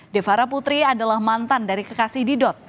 devara putri adalah mantan dari kekasih didot